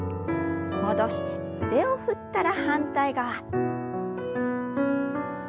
戻して腕を振ったら反対側。